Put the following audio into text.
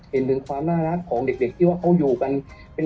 เห็นถึงความน่ารักของเด็กที่ว่าเขาอยู่กัน